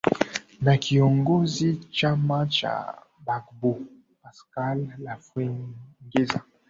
na kiongozi chama cha bagbo pascal lafwengeza